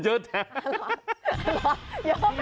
เยอะแทน